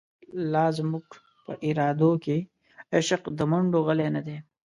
لازموږ په ارادوکی، عشق دمنډوغلی نه دی